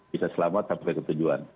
bisa selamat sampai ke tujuan